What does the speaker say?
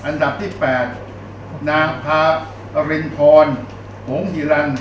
๘นางพาลินทรหลงหิรันด์